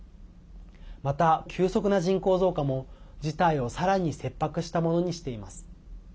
また急速な人口増加も、事態をさらに切迫したものにしています。